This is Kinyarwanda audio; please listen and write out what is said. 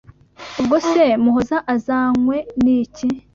Ubwo se Muhoza azanwe n’iki?